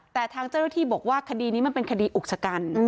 แต่ทางเจ้าหน้าที่บอกว่าคดีนี้มันเป็นคดีอุกชะกัน